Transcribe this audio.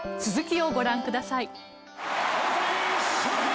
続きをご覧ください。